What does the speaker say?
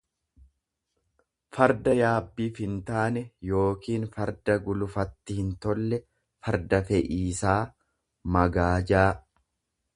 farda yaabbiif hintaane yookiin farda gulufatti hintolle, farda fe'iisaa, magaajaa.